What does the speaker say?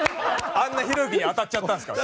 あんなひろゆきに当たっちゃったんですか？